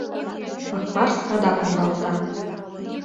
Акпарс адак муралта: